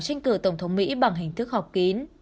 tranh cử tổng thống mỹ bằng hình thức họp kín